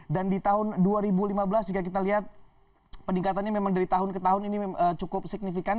dan di tahun dua ribu lima belas jika kita lihat peningkatannya memang dari tahun ke tahun ini cukup signifikan